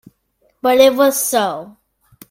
But it was so.